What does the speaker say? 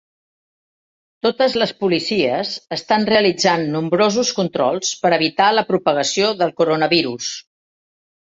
Totes les policies estan realitzant nombrosos controls per evitar la propagació del coronavirus